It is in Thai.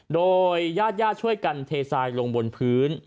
โดยญาติญาติช่วยกันเททรายลงบนพื้น